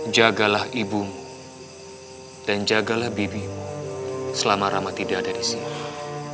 jagalah ibumu dan jagalah bibimu selama rama tidak ada di sini